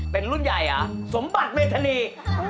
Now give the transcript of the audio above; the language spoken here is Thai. เป็นลุ่นใหญ่โสมบัติมีรพญี